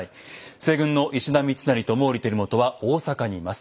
西軍の石田三成と毛利輝元は大坂にいます。